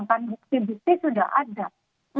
kan lucu gitu mbak